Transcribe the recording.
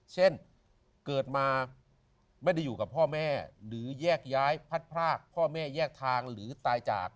เช่นเกิดมาไม่ได้อยู่กับพ่อแม่หรือแยกย้ายพัดพรากพ่อแม่แยกทางหรือตายจาก